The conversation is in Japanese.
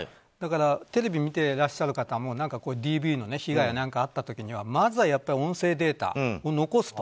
テレビを見ていらっしゃる方もＤＶの被害があった時なんかにはまずは音声データを残すと。